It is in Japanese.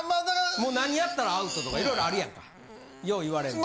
もう何やったらアウトとか色々あるやんかよう言われんの。